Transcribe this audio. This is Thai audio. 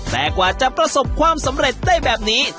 แต่กว่าจะประสบความสำเร็จได้แบบนี้